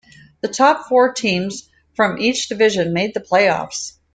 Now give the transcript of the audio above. The top four teams from each division made the playoffs.